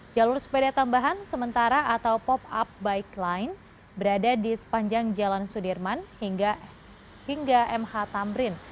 jalur sepeda tambahan sementara atau pop up bike line berada di sepanjang jalan sudirman hingga mh tamrin